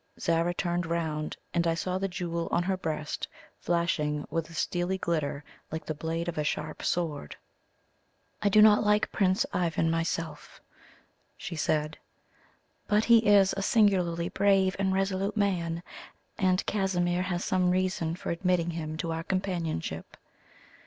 Zara turned round, and I saw the jewel on her breast flashing with a steely glitter like the blade of a sharp sword. "I do not like Prince Ivan myself," she said; "but he is a singularly brave and resolute man, and Casimir has some reason for admitting him to our companionship.